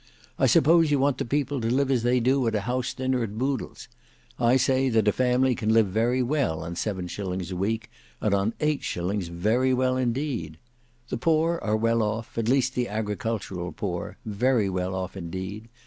I suppose you want the people to live as they do at a house dinner at Boodle's. I say that a family can live very well on seven shillings a week, and on eight shillings very well indeed. The poor are very well off, at least the agricultural poor, very well off indeed.